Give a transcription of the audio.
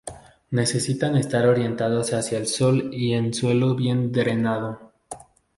Necesitan estar orientados hacia el sol y en suelo bien drenado.